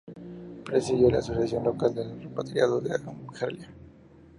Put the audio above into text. Presidió la Asociación Local de Repatriados de Argelia.